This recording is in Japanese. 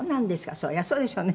それはそうでしょうね。